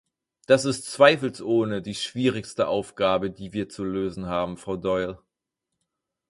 Das ist zweifelsohne die schwierigste Aufgabe, die wir zu lösen haben, Frau Doyle.